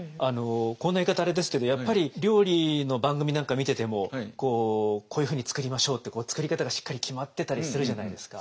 こんな言い方あれですけどやっぱり料理の番組なんか見ててもこういうふうに作りましょうって作り方がしっかり決まってたりするじゃないですか。